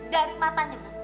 dari matanya mas